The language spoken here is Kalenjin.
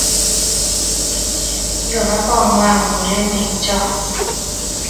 Kakopa kong'wan murenek cho